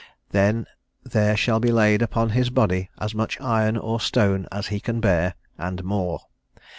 Then there shall be laid upon his body as much iron or stone as he can bear, and more.